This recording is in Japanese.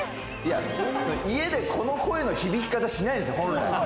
家でこの声の響き方しないですもん、本来。